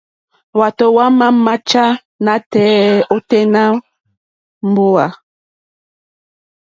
Hwátò hwámà máchá nátɛ̀ɛ̀ nôténá mbówà.